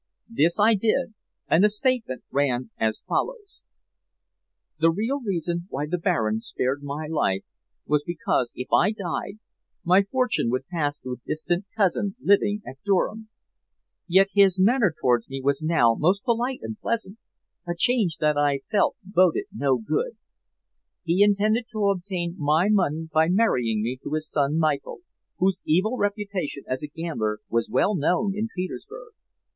This I did, and the statement ran as follows: "The real reason why the Baron spared my life was because, if I died, my fortune would pass to a distant cousin living at Durham. Yet his manner towards me was now most polite and pleasant a change that I felt boded no good. He intended to obtain my money by marrying me to his son Michael, whose evil reputation as a gambler was well known in Petersburg.